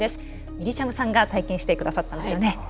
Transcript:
みりちゃむさんが体験してくださったんですよね。